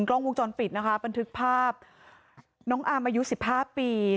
กล้องวงจรปิดนะคะบันทึกภาพน้องอามอายุสิบห้าปี